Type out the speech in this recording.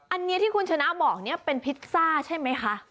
อันนี้ที่คุณชนะบอกเนี่ยเป็นพิซซ่าใช่ไหมคะ